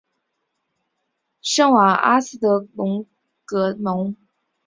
圣瓦阿斯德隆格蒙。